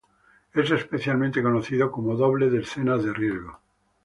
Es especialmente conocido como doble de escenas de riesgo.